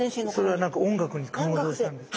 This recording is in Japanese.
それは何か音楽に感動したんです。